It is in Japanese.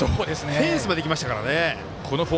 フェンスまで行きましたからね。